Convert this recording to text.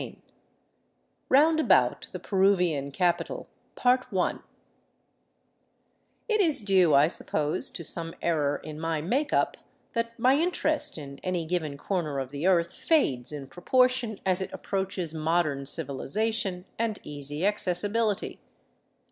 3*3 CHAPTER XIII ROUND ABOUT THE PERUVIAN CAPITAL IT is due, I suppose, to some error in my make up that my interest in any given corner of the earth fades in proportion as it ap J proaches modern civilization and easy accessibility.